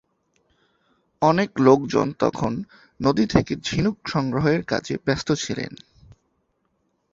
অনেক লোকজন তখন নদী থেকে ঝিনুক সংগ্রহের কাজে ব্যস্ত ছিল।